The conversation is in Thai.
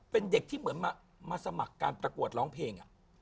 เป็นเด็กที่เหมือนมาสมัครการประกวดร้องเพลง